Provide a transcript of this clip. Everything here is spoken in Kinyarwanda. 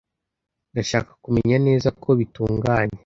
Ndashaka kumenya neza ko bitunganye.